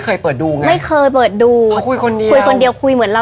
ก็พูดว่าเราคุยคนเดียว